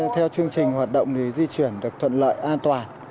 theo chương trình hoạt động thì di chuyển được thuận lợi an toàn